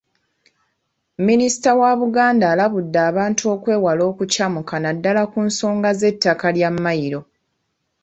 Minisita wa Buganda alabudde abantu okwewala okucamuka naddala ku nsonga z'ettaka lya Mayiro.